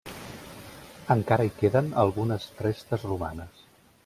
Encara hi queden algunes restes romanes.